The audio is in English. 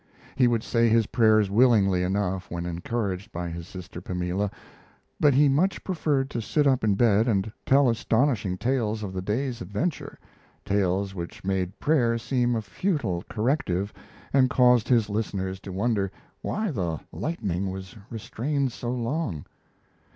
He would say his prayers willingly enough when encouraged by sister Pamela, but he much preferred to sit up in bed and tell astonishing tales of the day's adventure tales which made prayer seem a futile corrective and caused his listeners to wonder why the lightning was restrained so long.